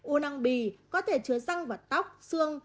u năng bị có thể chứa răng và tóc xương